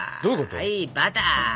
はいバター。